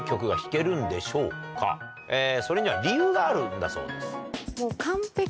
それには理由があるんだそうです。